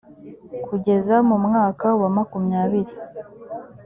kugeza mu mwaka wa makumyabiri